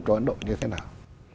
cho ấn độ như thế nào